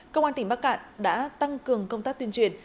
công an tỉnh bắc cạn đã tăng cường công tác tuyên truyền